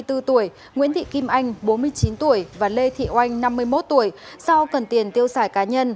ba mươi bốn tuổi nguyễn thị kim anh bốn mươi chín tuổi và lê thị oanh năm mươi một tuổi sau cần tiền tiêu xài cá nhân